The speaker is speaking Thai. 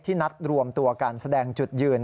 นัดรวมตัวการแสดงจุดยืน